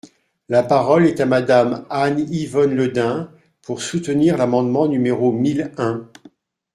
La parole est à Madame Anne-Yvonne Le Dain, pour soutenir l’amendement numéro mille un.